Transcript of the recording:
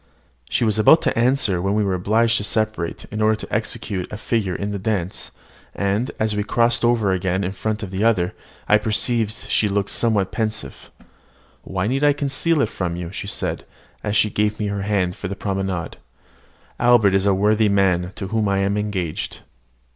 She was about to answer, when we were obliged to separate, in order to execute a figure in the dance; and, as we crossed over again in front of each other, I perceived she looked somewhat pensive. "Why need I conceal it from you?" she said, as she gave me her hand for the promenade. "Albert is a worthy man, to whom I am engaged."